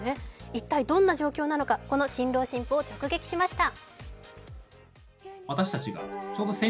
一体どんな状況なのか、この新郎新婦を直撃しました。